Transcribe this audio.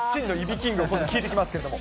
キング、聞いてきますけれども。